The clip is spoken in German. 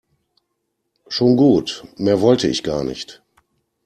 Schon gut, mehr wollte ich gar nicht.